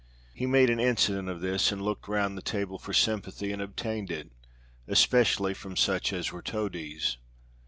He made an incident of this, and looked round the table for sympathy, and obtained it, especially from such as were toadies.